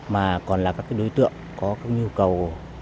mà còn là các đối tượng có các nhu cầu